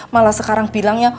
malah sekarang bilangnya